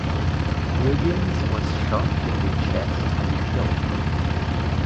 Wiggins was shot in the chest and killed.